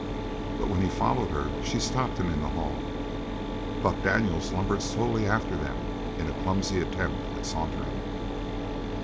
But when he followed her she stopped him in the hall. Buck Daniels lumbered slowly after them in a clumsy attempt at sauntering.